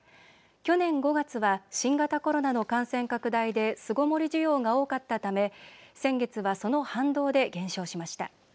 去年５月は新型コロナの感染拡大で巣ごもり需要が多かったため先月はその反動で減少しました。